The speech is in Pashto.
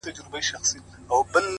ما ويل څه به مي احوال واخلي؛